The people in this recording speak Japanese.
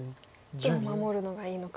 どう守るのがいいのかと。